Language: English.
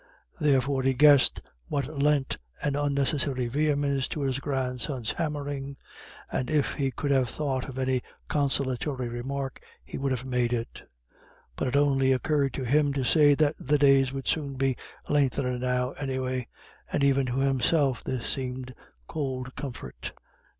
Therefore he guessed what lent an unnecessary vehemence to his grandson's hammering, and if he could have thought of any consolatory remark, he would have made it. But it only occurred to him to say that the days would soon be len'thenin' now, anyway; and even to himself this seemed cold comfort.